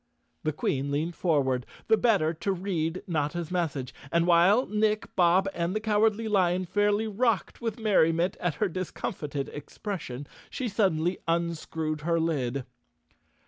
The Queen leaned forward, the better to read Notta's message and, while Nick, Bob and the Cowardly Lion fairly rocked with merriment at her discomfited ex¬ pression, she suddenly unscrewed her lid.